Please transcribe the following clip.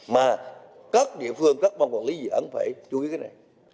mà các địa phương các ban quản lý dự án phải chú ý cái này